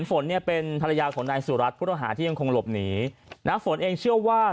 ฝนเนี่ยเป็นภรรยาของนายสุรัตน์ผู้ต้องหาที่ยังคงหลบหนีนะฝนเองเชื่อว่า